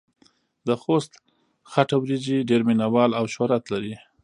دخوست خټه وريژې ډېر مينه وال او شهرت لري.